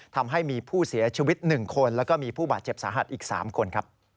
ทำให้มีผู้เสียชีวิต๑คนแล้วก็มีผู้บาดเจ็บสาหัสอีก๓คน